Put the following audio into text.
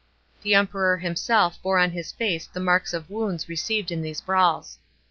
The Emperor himself bore on his face the marks of wounds received in these brawls.